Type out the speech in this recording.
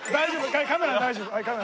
はいカメラ大丈夫。